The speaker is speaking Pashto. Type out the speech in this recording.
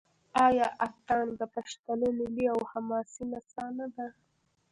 آیا اټن د پښتنو ملي او حماسي نڅا نه ده؟